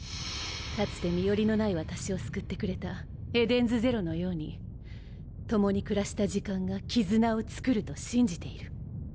かつて身寄りのない私を救ってくれたエデンズゼロのように共に暮らした時間が絆をつくると信じている。